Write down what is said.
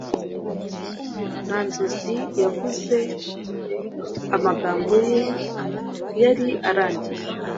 Nta nzozi yavuze, amagambo ye yari arangiye,